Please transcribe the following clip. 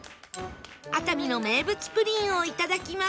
熱海の名物プリンをいただきます